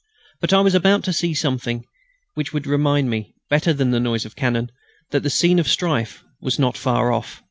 But I was about to see something which was to remind me, better than the noise of cannon, that the scene of the strife was not far off.